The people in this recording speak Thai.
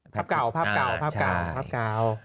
ภาพเก่า